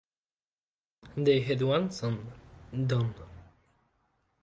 They had one son, Don.